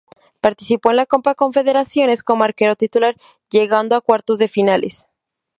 Participó en la copa confederaciones como arquero titular, llegando a cuarto de finales.